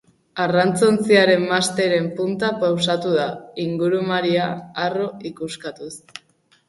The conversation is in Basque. Arrantzontziaren mastaren puntan pausatu da, ingurumaria harro ikuskatuz.